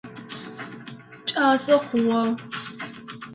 Кӏасэ хъугъэ.